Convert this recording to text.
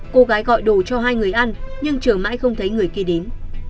cô gái gọi đồ cho hai người ăn nhưng chờ mãi không thấy người kia đến